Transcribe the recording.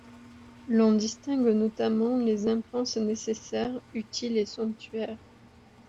L'on distingue notamment les impenses nécessaires, utiles et somptuaires.